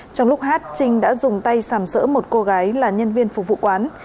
trong lúc hát trinh đã dùng tay sàm sỡ một cô gái là nhân viên phục vụ quán